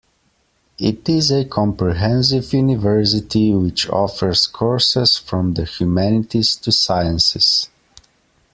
It is a comprehensive university which offers courses from the Humanities to Sciences.